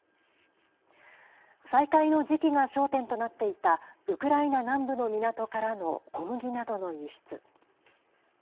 再開の時期が焦点となっていたウクライナ南部の港からの小麦などの輸出。